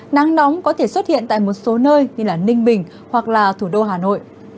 nắng nóng có thể xuất hiện tại một số nơi như ninh bình hoặc là thủ đô hà nội